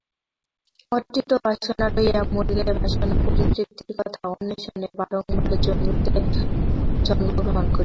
অতৃপ্ত বাসনা লইয়া মরিলে বাসনা-পরিতৃপ্তির বৃথা অন্বেষণে বারংবার জন্মগ্রহণ করিতে হইবে।